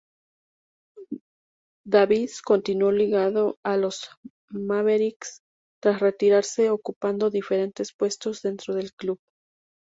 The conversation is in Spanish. Davis continuó ligado a los Mavericks tras retirarse, ocupando diferentes puestos dentro del club.